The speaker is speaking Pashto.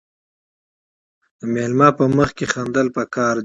د میلمه په مخ کې خندل پکار دي.